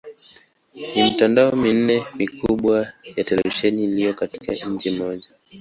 Ni mitandao minne mikubwa ya televisheni iliyo katika nchi moja.